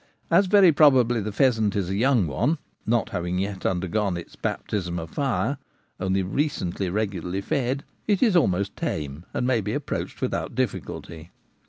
As very probably the pheasant is a young one and (not yet having under Hedge Gardens. 177 gone its baptism of fire) only recently regularly fed, it is almost tame and may be approached without difficulty.